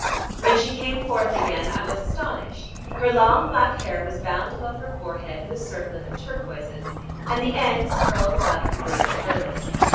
When she came forth again I was astonished. Her long black hair was bound above her forehead with a circlet of turquoises, and the ends, curled about her glittering girdle.